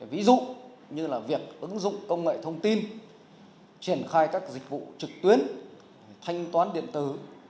ví dụ như là việc ứng dụng công nghệ thông tin triển khai các dịch vụ trực tuyến thanh toán điện tử